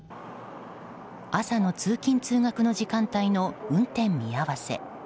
朝の通勤・通学の時間帯の運転見合わせ。